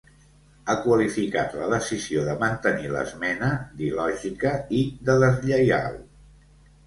Ha qualificat la decisió de mantenir l’esmena d’il·lògica i de deslleial.